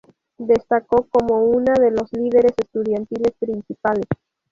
Destacó como una de los líderes estudiantiles principales.